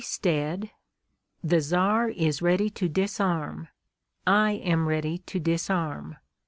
Stead: "The Czar is ready to disarm. I am ready to disarm.